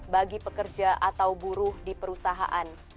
bagi pekerja atau buruh di perusahaan